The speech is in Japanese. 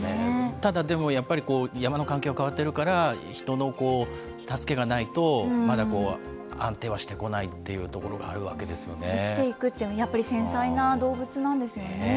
ただでもやっぱり、山の環境は変わってるから、人の助けがないとまだ安定はしてこないというところがあるわけで生きていくっていうのは、やっぱり繊細な動物なんですよね。